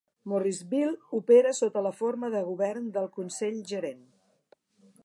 Morrisville opera sota la forma de govern del Consell-Gerent.